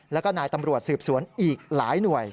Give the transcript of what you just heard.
แล้วก็นายตำรวจสืบสวนอีกหลายหน่วย